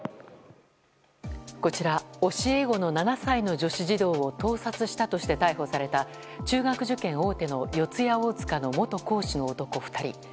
こちら、教え子の７歳の女子児童を盗撮したとして逮捕された中学受験の四谷大塚の元講師の男２人。